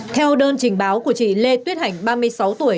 theo đơn trình báo của chị lê tuyết hành ba mươi sáu tuổi